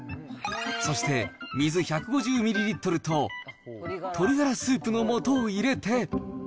そして、水１５０ミリリットルと鶏ガラスープのもとを入れて。